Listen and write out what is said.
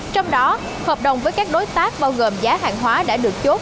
trong đó hợp đồng với các đối tác bao gồm giá hàng hóa đã được chốt